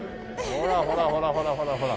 ほらほらほらほらほらほら。